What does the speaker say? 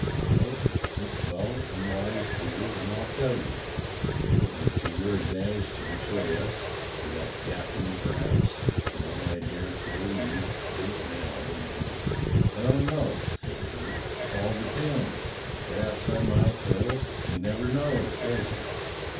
"Aye, it's well and wise, too, and I'll tell you. If it was to your advantage to betray us — to that captain p'raps — w^ell, I daresay you'd do it now, wouldn't you.^^ " "I don't know," said Jerk; "all depends. P'raps I might, though. You never knows, does you.